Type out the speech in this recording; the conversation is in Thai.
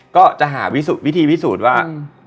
ก็จะหาวิธีพิสูจน์ว่า